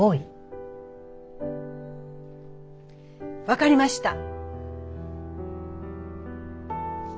分かりました。